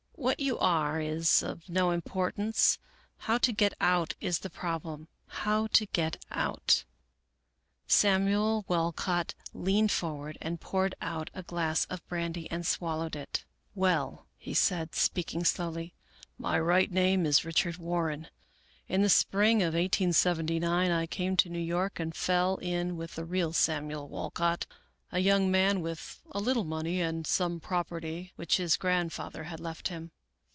What you are is of no importance. How to get out is the problem, how to get out," Samuel Walcott leaned forward, poured out a glass of brandy and swallowed it, " Well," he said, speaking slowly, " my right name is Richard Warren, In the spring of 1879 I came to New York and fell in with the real Samuel Walcott, a young man with a little money and some property which his grand father had left him.